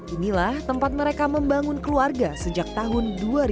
inilah tempat mereka membangun keluarga sejak tahun dua ribu